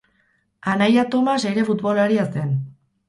Anaia Tomas ere futbolaria zen.